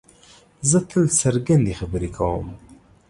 زه تل څرګندې خبرې کوم.